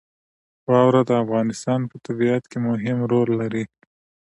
واوره د افغانستان په طبیعت کې مهم رول لري.